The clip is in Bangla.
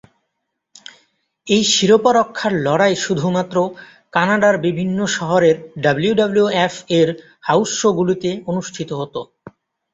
এই শিরোপা রক্ষার লড়াই শুধুমাত্র কানাডার বিভিন্ন শহরে ডাব্লিউডাব্লিউএফ-এর 'হাউজ শো' গুলিতে অনুষ্ঠিত হতো।